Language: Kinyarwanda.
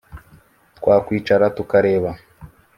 twakwicara tukareba